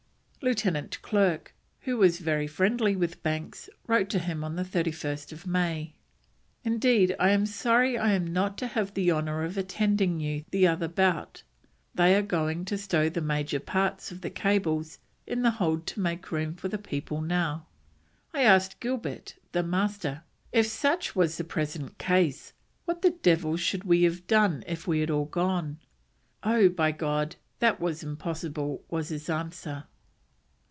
Lieutenant Clerke, who was very friendly with Banks, wrote to him on 31st May: "Indeed I am sorry I'm not to have the honour of attending you the other bout...They are going to stow the major part of the cables in the hold to make room for the people now. I asked Gilbert [the Master], if such was the present case, what the devil should we have done if we had all gone? 'Oh, by God, that was impossible,' was his answer."